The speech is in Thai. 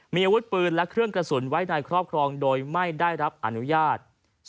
มีอาวุธปืนและเครื่องกระสุนไว้ในครอบครองโดยไม่ได้รับอนุญาต